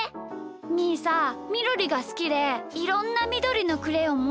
みーさみどりがすきでいろんなみどりのクレヨンもってるんだ。